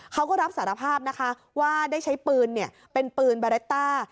เขาก็รับสารภาพนะคะว่าได้ใช้ปืนเป็นปืนบาเรตต้า